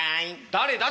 誰だ？